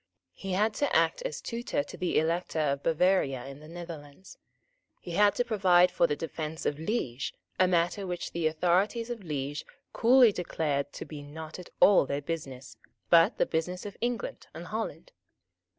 He had to act as tutor to the Elector of Bavaria in the Netherlands. He had to provide for the defence of Liege, a matter which the authorities of Liege coolly declared to be not at all their business, but the business of England and Holland.